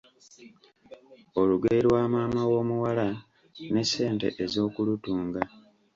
Olugoye lwa maama w’omuwala, n’essente ez’okulutunga.